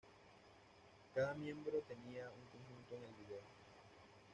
Cada miembro tenía un conjunto en el vídeo.